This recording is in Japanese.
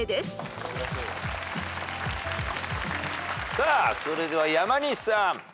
さあそれでは山西さん。